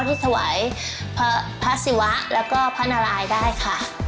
ที่ถวายพระศิวะแล้วก็พระนารายได้ค่ะ